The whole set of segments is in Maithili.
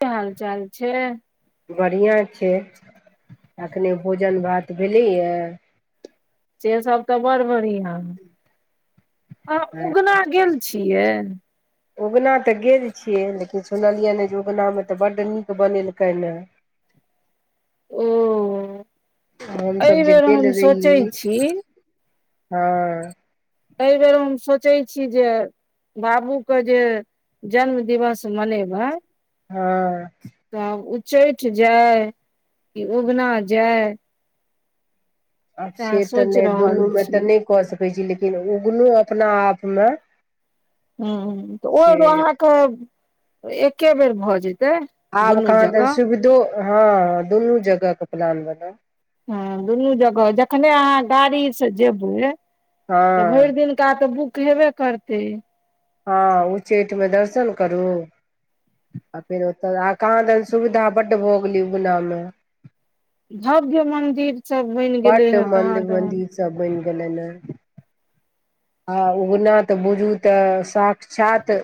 की हाल चाल छय बढ़िआँ छै एखने भोजन भात भेलैए से सब तऽ बड़ बढ़ििया ह आ उगना गेल छियै उगना तऽ गेल छियै लेकिन सुनलियै नहि जे उगनामे तऽ बड्ड नीक बनेलकै ने [unintelligible] ओ हमसभ एहि जे बेेर गेल हम सोचै रही छी हँ आइ बेर सोचै छी जे बाबूके जे जन्म दिवस मनेबै हँ उचैठ जाय कि उगना जाय आब सएह से त सोचि नहि रहल दुनू मे छी तऽ नहि कह सक कै छी लेकिन उगनो अपना आपमे ह तऽ ओ से अहाँक एके बेर भऽ जेत आब कहाँ दन सुविधो हँ दुनू जगहके प्लान बनाउ हँ दुनू जगह जखने अहां गाड़ी से जेबै त भरि हँ दिनका त बुक हेबे करतै हँ उच्चैठमे दर्शन करू आ फेर ओतऽ आ कहाँ दन सुविधा बड्ड भऽ गेलै उगनामे भव्य मन्दिर सभ बनि गेलै है कहाँ दन गेलन यै आ उगना तऽ बुझू तऽ साक्षात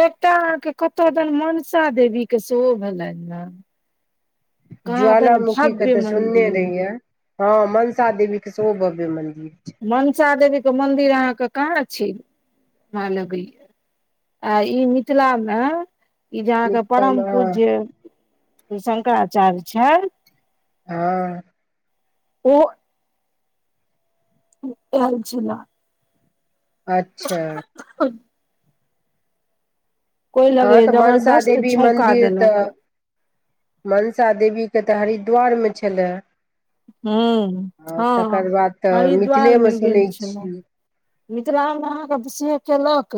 एकटा अहाँके कत दन मनसा देवीके सेहो भेलनि ह ज्वालामुखी के तऽ सुनने रहिये मंदिर हँ मनसा देवी के सेहो भव्य मन्दिर मनसा देवीके मन्दिर अहाँके कहाँ छी हाँ लगैया आ ई मिथिला मे ई जे छै अहाँके निच्चामे परम हँ पूज्य शंकराचार्य छै हँ ओ बहुत सुनर अच्छा तब हँ लगैया तऽ मनसा जबरदस्त देवी छौंका मन्दिर तऽ देलक मनसा देवी के तऽ हरिद्वार मे छलै ह हँ तऽ मिथिलेमे हरिद्वारमे गेल सुनै छलहुँ छी मिथिलामे अहाँके से कयलक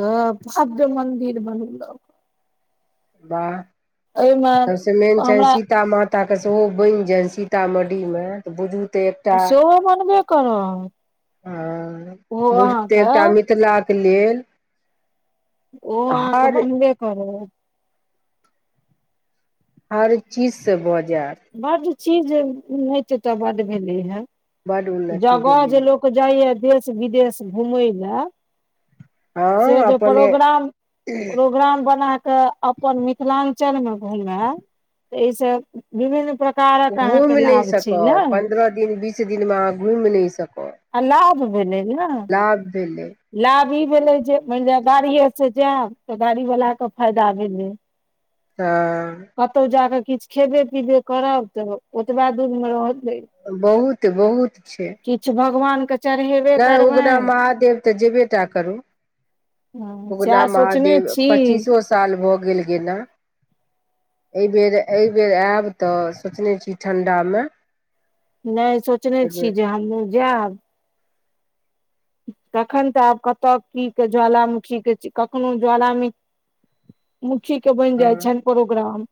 भव्य मन्दिर बनैलक वाह सबसे मेन छनि हमरा सीता मा त्ताके सेहो बनि जायन सीतामढ़ीमे तऽ बुझू तऽ एकटा सेहो बनबे करत हँ ओहो बुझू तै अहाँके एकटा मिथिलाके लेल ओ अहाँके हर बनबे करै हर चीज से भ बड्ड चीज ओन्हैतो तऽ बड भेलै हन बड उन्नति जगह जे भेलैए लोक जाइया देश विदेश घुमय लै से हँ जे अपने प्रोग्राम प्रोग्राम बना कऽ अपन मिथिलांचलमे घूमै तऽ ईसे विभन्न प्रकार घुमि नहि सकब पन्द्रह दिन बीस दिनमे अहाँ घुमि नहि सकब आ लाभ भेलै लाभ भेलै इ भेलै जे मानलिय गाड़ीए से जायब तऽ गाड़ी वाला क फायदा भेलै तऽ कतहु जा कऽ किछु खेबे पीबे करब तऽ ओतबा दूरमे रहत बहुत बहुत छै किछु भगवानके चढ़ेबे नहि उगना करबनि महादेव तऽ जेबे टा करू हँ उगना सएह सोचने महादेव छी पच्चीसो साल भऽ गेल गेला एहि बेेर एहिबेर आयब तऽ सोचने छी ठंढामे नहि सोचने छी जे हमहूँ जायब तखन तऽ आब कत की के ज्वालामुखी के कखनो ज्वालामखी मुखी के बनि हँ जाइ छनि प्रोग्राम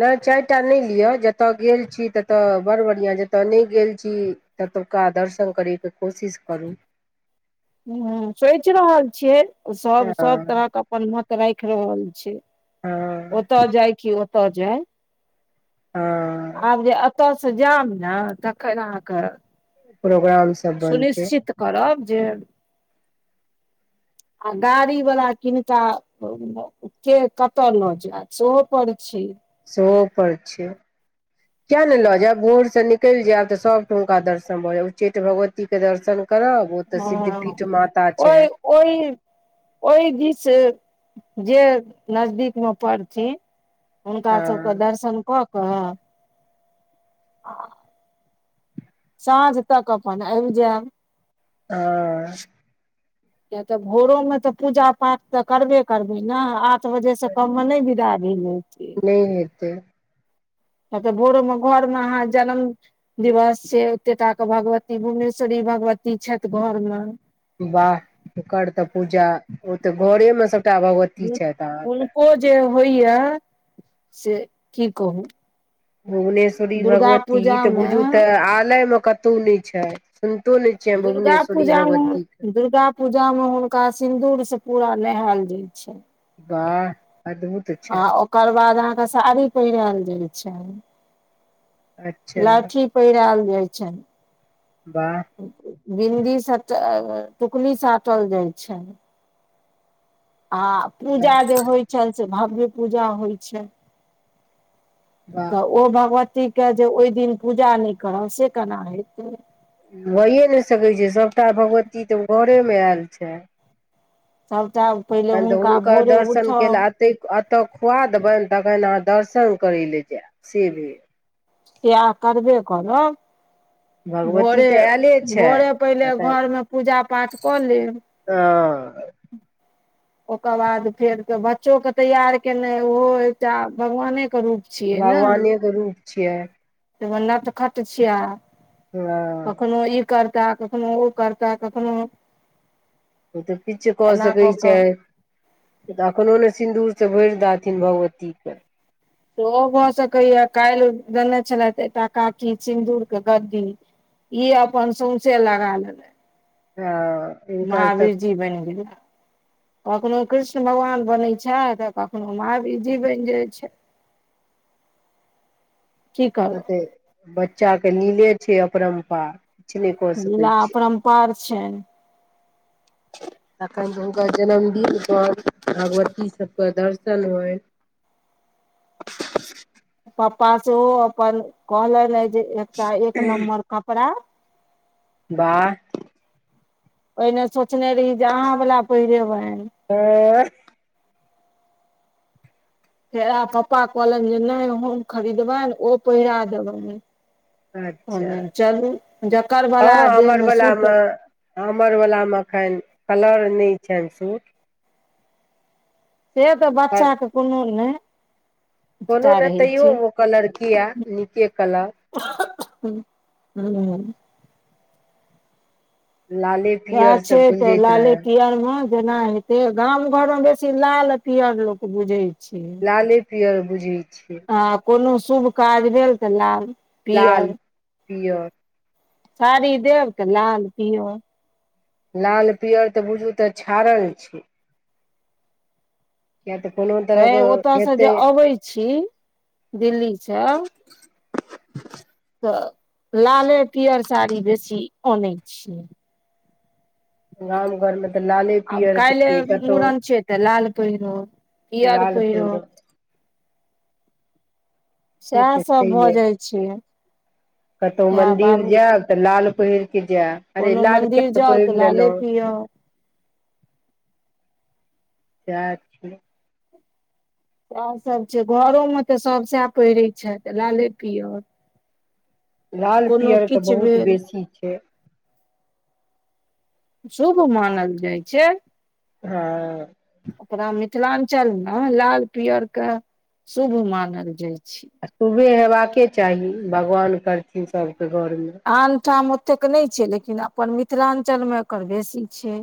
नहि चारि टा नहि लिअ जतय गेल छी ततय बड़ बढ़िआँ जतय नहि गेल छी त तौका दर्शन करैक कोशिश करू ह्म सोचि रहल छियै सब हँ सब तरहके अपन मत राखि रहल छै हँ ओत जाय कि ओत जाय हँ आब जे अ ओत से जाम न तखन अहाँके प्रोग्राम सब बनतै सुनिश्चित करब जे आ गाड़ी वला किनका के कतय ल जात सोहो पर छै सेहो पर छै किए नहि ल जायब भोरस निकलि जायब त सबक हुनका दर्शन भ जायब उच्चैठ भगवतीके दर्शन करब ओ तऽ हँ सिद्धपीठ माता छै ओहि ओहि ओहि दिस जे नजदीक म पड़थिन हुनका हँ सबक दर्शन क क आ साँझ तक अपन आबि जैब अ किया त भोरो मे त पूजा पाठ त करबे करबै न आठ बजे से कममे नहि बिदा नहि हेतै त त भोरो मे घर मे अहाँ जन्म दिवस छै ओतेटा के भगवती भुवनेश्वरी भगवती छथि घर म बाह ओकर त पूजा ओ त घरेमे सब टा भगवति अहाँक हुनको जे होइया से की कहू भुवनेश्वरी दुर्गा भगवती त पूजामे बुझू त आलय में कतौ नहि छै सुनतो ने छिय दुर्गा पूजा म दुर्गा पूजा म हुनका सिन्दूरस पूरा नहायल जाइ छै बाह आ ओकर बाद अहाँक साड़ी पहिरायल जाइ छै अच्छा लहठी पहिराल जाइ छनि बाह बिन्दी साट टुकली साटल जाइ छै आ पूजा जे होइ छनि से भव्य पूजा होइ छै वाह त ओ भावट ठीक जे ओहि दिन पूजा नहि करब से केना हेतै होइए नहि सकै छै सभटा भगवती त घरेमे आयल छै सभटा पहिले तहन त हुनका हुनकर भोरे दर्शन केल उठब एतेक त खुआ देबनि तखन अहाँ दर्शन करै लए जायब से भी या करबे करब [inaudible] भोरे तऽ आयले छै भोरे पहिले घरमे पूजा पाठ क लेब आ ओकर बाद फेर के बच्चोके तैयार केनाइ ओहो एकटा भगवाने भगवानेके रूप छियै नटखट छिया हँ करता कखनो ओ करता कखनो ओ त पीछे क एना सकै कऽ छै कऽ एखनो न सिन्दूर से भरि दाथिन भगवतीके ओहो भ सकैया काल्हि देने छलथि एकटा काकी सिन्दूर के गद्दी ई अपन सौंसे लगा लेबै आ महावीर जी बैन गेला कखनो कृष्ण भगवान बनै छै तऽ कखनो महावीरजी बैन जाइत छै [inaudible] की करू कते बच्चाक लीले छै अपरम पार लीला अपरम्पार छै [unintelligible] तखन तऽ हुनकर जनम दिन पर भगवती सभके दर्शन होय [unintelligible] पपा सेहो अपन कहलनि ह जे एकटा एक नम्बर कपड़ा बाह पहिने सोचने रही जे अहाँ वला पहिरेबैन जे ओहा पप्पा कहलनि जे नहि हमन खरीदबनि ओ पहिरा अच्छा देबनि चलू जकरवला देहमे सुट हमरवलामे एखन कलर नहि छैनि सूट से तऽ बच्चा क कोनो नै कोनो नै तैयो ओ कलर किया नीके कलर उहू हू हू लाले इहै पियर से छै त गुंजैत लालाे रहे किया आनब जेना हेते गाम घर मे बेसी लाल आ पिअर लोक बुझै छै पिअर बुझी आ कोनो शुभ काज भेल त लाल पिअर पिअर साड़ी देब के लाल पिअर लाल पिअर तऽ बुझू तऽ छड़ल छै किया तऽ कोनो तै तरहक ओतयसँ हेतै जे अबै छी दिल्लीसँ [unintelligible] तऽ लाले पिअर साड़ी बेसी अनै छियै गाम घरमे तऽ लाले आब पियर छ काल्हि कतहु मूड़न छै तऽ लाल पहिरो पियर लाल पहिरो पीयर से सएह तऽ सब भऽ छैहे जाइ छै कतहु सएह मंदिर बाबू जायब तऽ लाल पहिर के जैइब अरे कोनो लाल मंदिर केत जाउ पहिर तऽ लाले लेलै पियर सएह छै सएह सभ छै घरोमे तऽ सभ सएह पहिरैत छथि लाले पिअर लाल पिअरके बहुत बेसी छै शुभ मानल जाइ छै हँ ओकरा मिथिलांचल मे लाल पिअर के शुभ मानल जाइ छै आ शुबे हेयबाक चाही भगवान करथिन सभ आन ठाम ओ ओतेक नहि छै लेकिन अपन मिथिलांचल मे एकर बेसी छै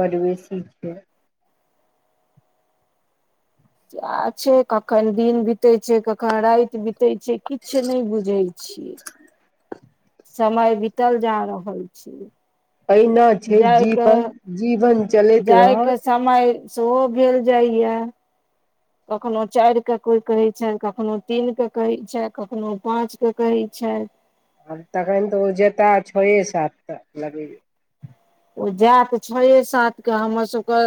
बड्ड बेसी छै सै छै कखन दिन बीतै छै कखन राति बि छै किछु नहि बुझै छियै समय बितल जा रहल छै अहिना छै जायक जीवन जीवन चलैत जायक रहत समय सेहो भेल जाइ य कखनो चारि के कोई कहै छै कखनो तीन के कहै छै कखनो पांच के कहै छै अच्छा आब तखन तऽ ओ जेता छ ऐ सात लागे ओ जायत छ‌ए सात कऽ हमर सभके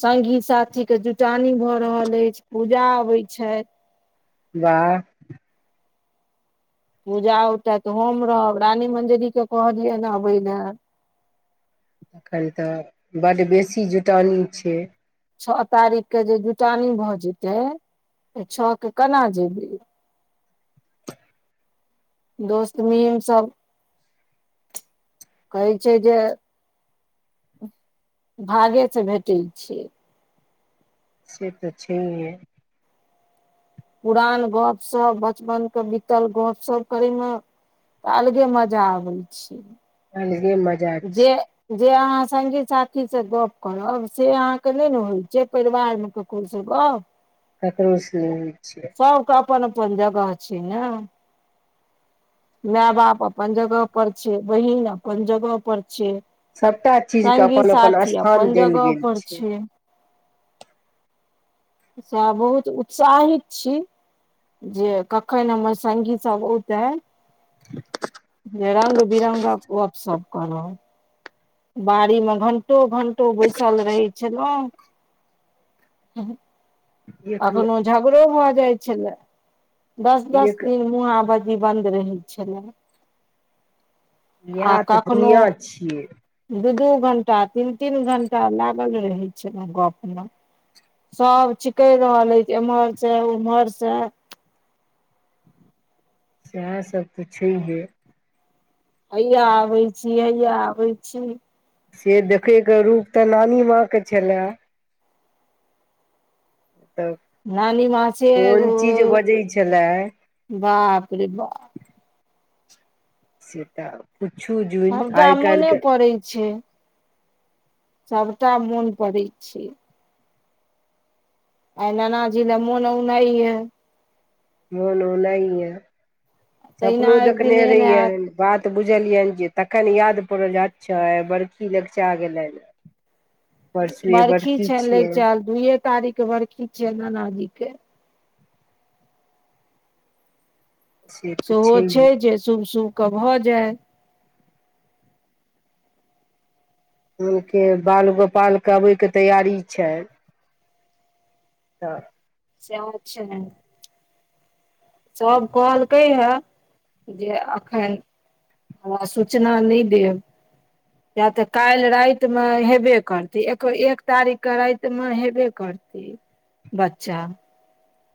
सङ्गी साथी के जुटानी भऽ रहल अछि पूजा अबै छथि वाह पूजा उठा तऽ हम रहब रानी मंजू दि के कहलियै ने अबै ने एखन तऽ बड बेसी जुटानी छै छ तारीख के जे जुटानी भऽ जेतै तऽ छ के केना जेबे दोस्त मीम सभ कहै छै जे भागे सँ भेटै छियै से तऽ छै हे पुरान गप्प सप बचपन के बीतल गपसप करयमे तऽ अलगे मज़ा आबै छै अलगे मज़ा छै जे जे अहाँ संगी साथी से गप्प करब से अहाँ के नै न होइ छै परिवारमे अहांके केकरो से गप्प हँ ककरो सल नै छ अपन अपन जगह छै न माए बाप अपन्न जगह पर छै बहिन अपन्न जगह पर छै सभटा चीजके संगी अपन अपन साथी स्थान अपन देल जगह गेल पर छै से बहुत उत्साहित छी जे कखन हमर संगी सब ओतै रंग बिरङ्ग गप सप करब बाड़ी में घण्टो घण्टो बैसल रहै छलहुँ ह एक अखनो झगड़ो भऽ जाइ छलै दस दस एक दिन मुहा भ जे बंद रहै छल ने इहा तऽ दुनिया छियै दू दू घंटा तीन तीन घंटा लागल रहै छै ने गप्प में स चिकैर रहै हैय जे लै इमर सँ ऊमहर स सेहा सभ तऽ छैहे हइआ या आबै छी हइआ आबै छी से देखय के रूप तऽ नानी माँ के छलए तऽ नानी माँ छे कोन चीज ओ बजै छलए बाप रे बा से तऽ पुछू जूइन सबटा आइ काल्हि मोने के सभटा मोन पड़ैत छै आइ नाना जी ले मौन औनाइ य मौन औनाइ ये सपनो तहिना एक दिन देखने एहन हैत रहियैन बात तऽ बुझलियनि जे तखन याद पड़ल जे अच्छा बड़खी लग चा गेलनि परसुए बड़खी बड़की छै छियै लैगचाएल दूइए तारीख के छै नानाजी के से तऽ सेहो छै छैहे जे शुभ शुभके भऽ जाय हुनक के बाल गोपाल के अबय के तैयारी छै तऽ सेहो छै सभ कहल कै हे जे एखन हं सूचना नै देब या तऽ काल्हि रातिमे हेबे करतै एक एक तारीख के रातिमे हेबे करतै बच्चा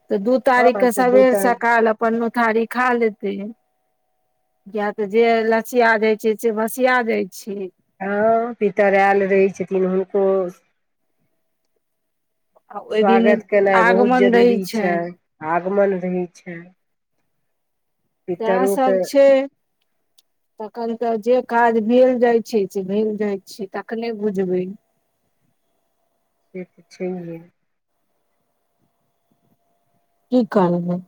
तऽ दु तारीख हँ के तऽ दू सबेर टा सकाल अपन नो तहारी खा लेतै है किया तऽ जे लसिया जाय छै से भसिया दय छिहीं हँअ् पितर आयल रहै छथिन हुनको आ ओहि दिन स्वागत केनाइ बहुत आगमन रहै जरूरी छनि छैइ आगमन रहै छैइ सएह सब छैइ तखन तऽ जे काज भेल जाइ छैइ से भेल जाइ छैइ तखने बुझबै से त छैइ हे की करबै